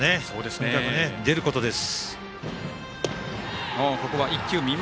とにかく出ることです。